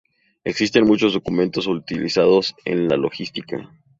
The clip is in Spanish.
Existen muchos documentos utilizados en la logística.